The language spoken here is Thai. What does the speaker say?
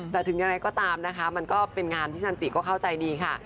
แต่ถึงยังไงก็ตามนะคะมันก็เป็นงานที่สันติก็เข้าใจดีค่ะ